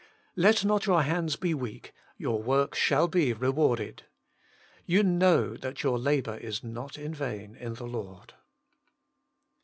' Let not your hands be weak ; your work shall be rewarded.' * You knozu that your labour is not vain in the Lord.'